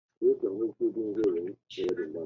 他还获清朝皇帝赏赐蟒袍衣料。